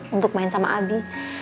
untuk main sama abi